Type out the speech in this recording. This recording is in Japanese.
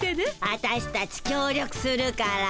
私たちきょう力するから。